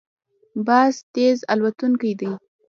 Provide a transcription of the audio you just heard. باز تېز الوتونکی دی